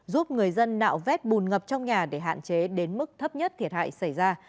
giúp người dân nạo vét bùn ngập trong nhà để hạn chế đến mức thấp nhất thiệt hại xảy ra